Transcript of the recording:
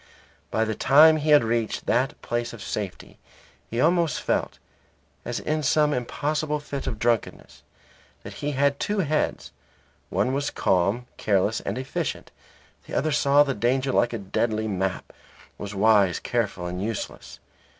By the time he had reached that place of safety he almost felt (as in some impossible fit of drunkenness) that he had two heads; one was calm, careless, and efficient; the other saw the danger like a deadly map, was wise, careful, and useless.